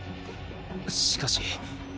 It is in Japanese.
しかし。